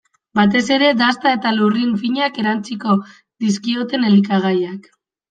Batez ere dasta eta lurrin finak erantsiko dizkioten elikagaiak.